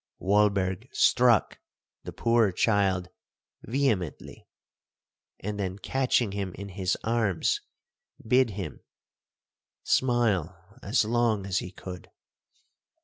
Walberg struck the poor child vehemently, and then catching him in his arms, bid him—'Smile as long as he could!'